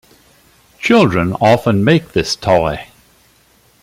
Children often make this toy.